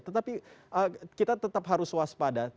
tetapi kita tetap harus waspada